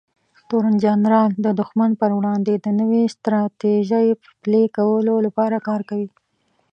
تورن جنرال د دښمن پر وړاندې د نوې ستراتیژۍ پلي کولو لپاره کار کوي.